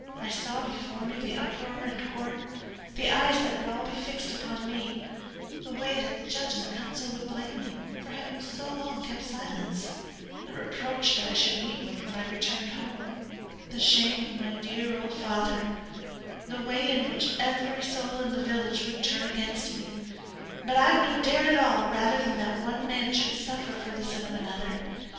I saw before me the uproar in court: the eyes that would be all fixed upon me; the way that the judge and the counsel would blame me for having so long kept silence; the reproach that I should meet with when I returned home; the shame of my dear old father; the way in which every soul in the village would turn against me; but I would have dared it all rather than that one man should suffer for the sin of another.